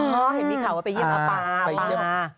อ๋อเห็นมีข่าวว่าไปเยี่ยมพ่อป่าป่า